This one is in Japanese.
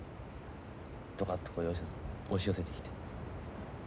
どかっと押し寄せてきて。